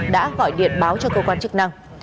đã gọi điện báo cho cơ quan chức năng